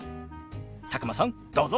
佐久間さんどうぞ！